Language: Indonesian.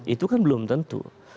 itu kan belum tentu